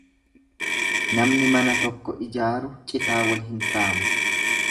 Namni mana tokko ijaaru citaa wal hin saamu.